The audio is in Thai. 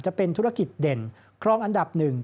จะเป็นธุรกิจเด่นครองอันดับหนึ่ง